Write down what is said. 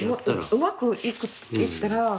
うまくいったら。